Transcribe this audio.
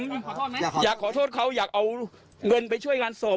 ขอโทษไหมอยากขอโทษเขาอยากเอาเงินไปช่วยงานศพ